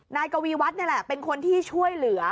นายกวีวัฒน์นี่แหละเป็นคนที่ช่วยเหลือ